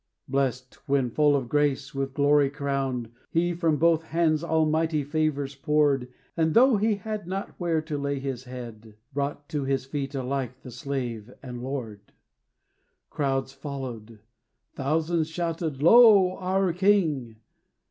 Blessed, when full of grace, with glory crowned, He from both hands almighty favors poured, And, though he had not where to lay his head, Brought to his feet alike the slave and lord. Crowds followed; thousands shouted, "Lo, our King!"